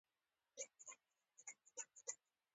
چارمغز د وینې فشار تنظیموي.